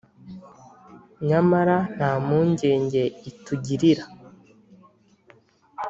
Nyamara ntampungenge itugirira